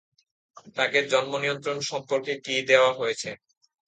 তাঁকে জন্মনিয়ন্ত্রণ সম্পর্কে কি দেওয়া হয়েছে?